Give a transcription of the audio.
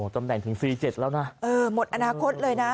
ตำแหน่งถึง๔๗แล้วนะหมดอนาคตเลยนะ